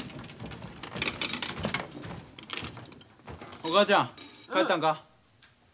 お母ちゃん帰ったんか。